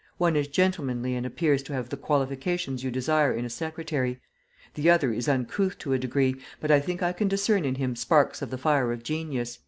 One is gentlemanly and appears to have the qualifications you desire in a secretary; the other is uncouth to a degree, but I think I can discern in him sparks of the fire of genius."